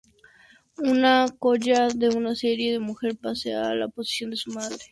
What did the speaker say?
Un coya se une a una mujer pese a la oposición de su madre.